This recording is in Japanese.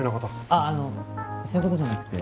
あっあのそういうことじゃなくて。